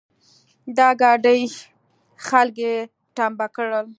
د ګاډي خلګ يې ټمبه کړل.